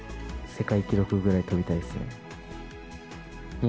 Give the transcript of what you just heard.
世界記録ぐらい飛びたいですね。